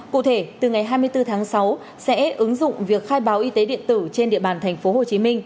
cụ thể từ ngày hai mươi bốn tháng sáu sẽ ứng dụng việc khai báo y tế điện tử trên địa bàn tp hcm